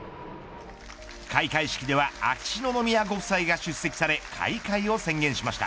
開会式では秋篠宮ご夫妻が出席され開会を宣言しました。